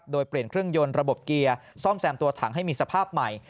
โดยเปลี่ยนเครื่องยนต์ระบบเกียร์ซ่อมแซมตัวถังให้มีสภาพใหม่